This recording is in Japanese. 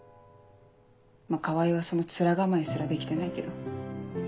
まぁ川合はその面構えすらできてないけど。